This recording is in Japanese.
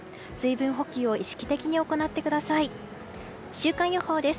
週間予報です。